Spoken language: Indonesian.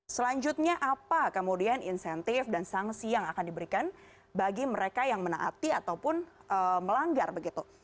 selanjutnya apa kemudian insentif dan sanksi yang akan diberikan bagi mereka yang menaati ataupun melanggar begitu